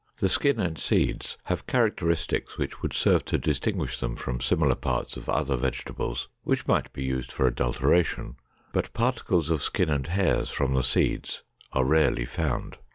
The skin and seeds have characteristics which would serve to distinguish them from similar parts of other vegetables which might be used for adulteration, but particles of skin and hairs from the seeds are rarely found.